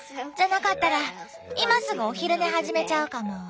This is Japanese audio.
じゃなかったら今すぐお昼寝始めちゃうかも？